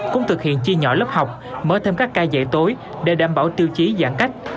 cũng thực hiện chia nhỏ lớp học mở thêm các ca dạy tối để đảm bảo tiêu chí giãn cách